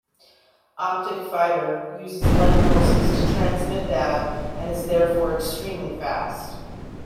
Optic fibre uses light pulses to transmit data and is therefore extremely fast.